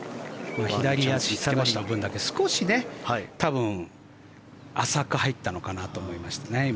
左足下がりの分だけ少し、多分浅く入ったのかなと思いました。